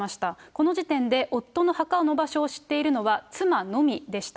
この時点で、夫の墓の場所を知っているのは妻のみでした。